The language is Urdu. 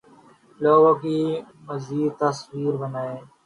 لوگوں کی مزید تصاویر بنائیں